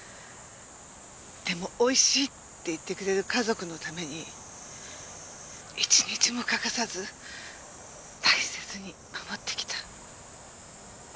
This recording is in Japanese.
でも美味しいって言ってくれる家族のために一日も欠かさず大切に守ってきた。